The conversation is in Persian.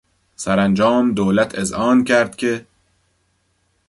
سرانجام دولت اذعان کرد که...